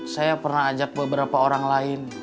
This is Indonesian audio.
saya pernah ajak beberapa orang lain